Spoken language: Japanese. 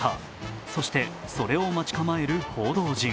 そして、それを待ち構える報道陣。